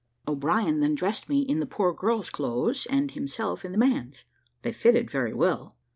O'Brien then dressed me in the poor girl's clothes, and himself in the man's; they fitted very well.